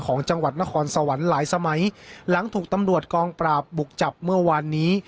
ของจังหวัดนครสวรรค์หลายสมัยหลังถูกตำรวจกองปราบบุกจับเมื่อวานนี้